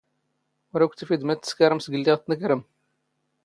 ⵓⵔ ⴰⴽⴽⵯ ⵜⵓⴼⵉⴷ ⵎⴰⴷ ⵜⵙⴽⴰⵔⵎ ⵙⴳ ⵍⵍⵉⵖ ⴷ ⵜⵏⴽⵔⵎ.